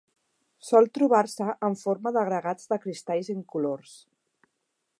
Sol trobar-se en forma d'agregats de cristalls incolors.